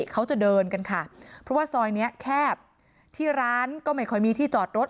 เขาจะเดินกันค่ะเพราะว่าซอยนี้แคบที่ร้านก็ไม่ค่อยมีที่จอดรถ